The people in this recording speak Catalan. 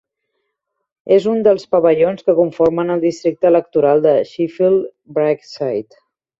És un dels pavellons que conformen el districte electoral de Sheffield Brightside.